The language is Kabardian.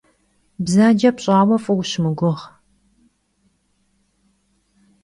Bzace pş'aue f'ı vuşımıguğu.